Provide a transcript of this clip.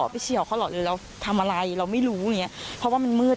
เฉียวเขาเหรอหรือเราทำอะไรเราไม่รู้อย่างเงี้ยเพราะว่ามันมืด